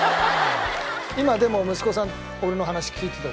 今でも息子さん俺の話聞いてたでしょ。